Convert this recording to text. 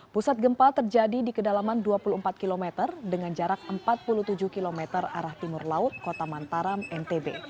pusat gempa terjadi di kedalaman dua puluh empat km dengan jarak empat puluh tujuh km arah timur laut kota mantaram ntb